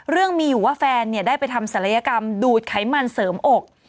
เรื่องมีอยู่ว่าแฟนได้ไปทำศัลยกรรมดูดไขมันเสริมอก